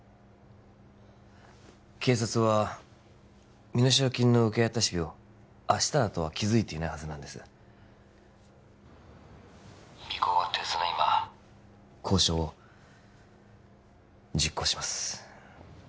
警察は身代金の受け渡し日を明日だとは気づいていないはずなんです尾行が手薄な今交渉を実行します